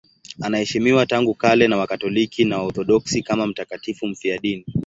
Anaheshimiwa tangu kale na Wakatoliki na Waorthodoksi kama mtakatifu mfiadini.